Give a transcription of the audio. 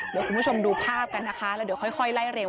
เดี๋ยวคุณผู้ชมดูภาพกันนะคะแล้วเดี๋ยวค่อยไล่เร็ว